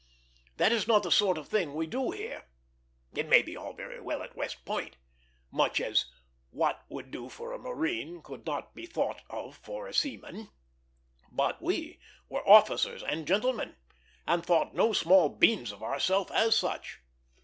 That is not the sort of thing we do here. It may be all very well at West Point much as "what would do for a marine could not be thought of for a seaman" but we were "officers and gentlemen," and thought no small beans of ourselves as such.